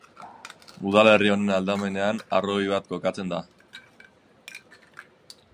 Udalerri honen aldamenean harrobi bat kokatzen da.